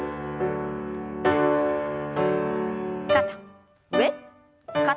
肩上肩下。